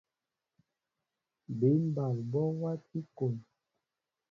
Bín ɓal ɓɔ wati kón.